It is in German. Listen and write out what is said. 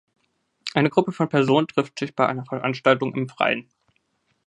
Eine Gruppe von Personen trifft sich bei einer Veranstaltung im Freien